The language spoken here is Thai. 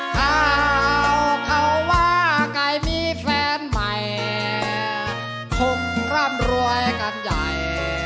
ถ้าเขาว่าไก่มีแฟนใหม่คงร่ำรวยกันใหญ่